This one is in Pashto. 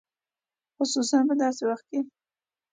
خصوصاً په داسې وخت کې.